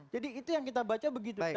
jadi itu yang kita baca begitu